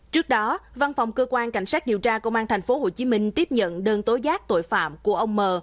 trước đó văn phòng cơ quan cảnh sát điều tra công an tp hcm tiếp nhận đơn tối giác tội phạm của ông m